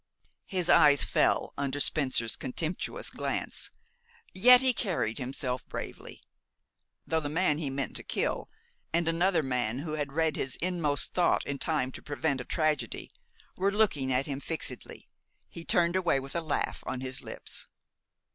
His eyes fell under Spencer's contemptuous glance. Yet he carried himself bravely. Though the man he meant to kill, and another man who had read his inmost thought in time to prevent a tragedy, were looking at him fixedly, he turned away with a laugh on his lips.